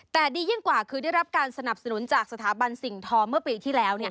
แต่ดียิ่งกว่าคือได้รับการสนับสนุนจากสถาบันสิ่งทอเมื่อปีที่แล้ว